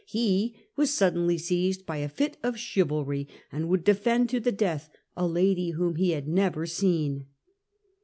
He was suddenl}^ seized by a fit of cbivalry, and would defend to tbe deatb a lady wbom be bad never seen.